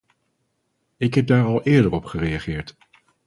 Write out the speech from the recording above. Ik heb daar al eerder op gereageerd.